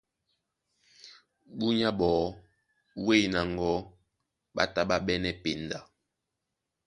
Búnyá ɓɔɔ́ wêy na ŋgɔ̌ ɓá tá ɓá ɓɛ́nɛ́ penda.